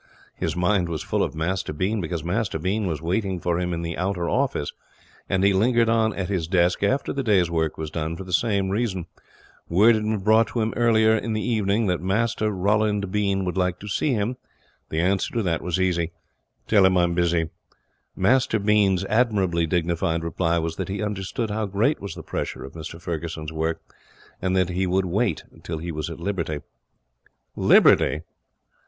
His mind was full of Master Bean because Master Bean was waiting for him in the outer office; and he lingered on at his desk, after the day's work was done, for the same reason. Word had been brought to him earlier in the evening, that Master Roland Bean would like to see him. The answer to that was easy: 'Tell him I'm busy.' Master Bean's admirably dignified reply was that he understood how great was the pressure of Mr Ferguson's work, and that he would wait till he was at liberty. Liberty!